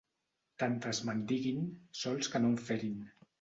Tantes me'n diguin, sols que no em ferin.